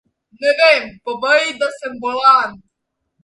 Ne vem. Povej ji, da sem bolan.